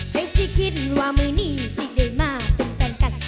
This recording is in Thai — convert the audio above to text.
สิคิดว่ามือนี้สิได้มาเป็นแฟนกันนะคะ